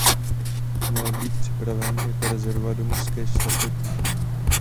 Měl být připraven jako rezerva do mužské štafety.